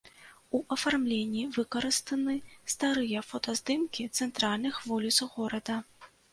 У афармленні выкарыстаны старыя фотаздымкі цэнтральных вуліц горада.